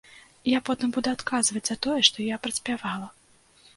Я потым буду адказваць за тое, што я праспявала.